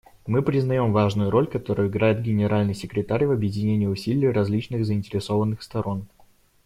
Мы признаем важную роль, которую играет Генеральный секретарь в объединении усилий различных заинтересованных сторон.